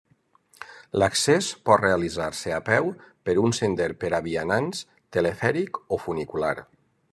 L'accés pot realitzar-se a peu per un sender per a vianants, telefèric o funicular.